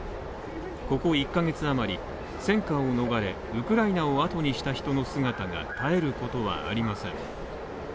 ここ１カ月あまり、戦火を逃れ、ウクライナを後にした人の姿が絶えることはありません。